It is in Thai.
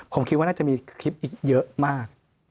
ผมคิดว่าน่าจะมีคลิปอีกเยอะมาก